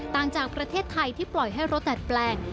ต่างจากประเทศไทยที่ปล่อยให้รถดัดแปลง